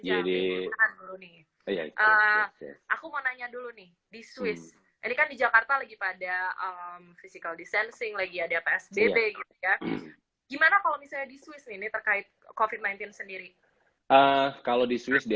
lagi ada psbb gimana kalau misalnya di swiss ini terkait covid sembilan belas sendiri kalau di swiss di